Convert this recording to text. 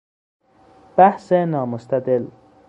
بحث نامستدل